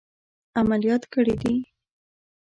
عملیات کړي دي.